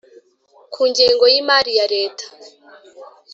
Ku ngengo y imari ya leta